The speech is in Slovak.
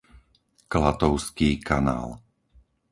Klatovský kanál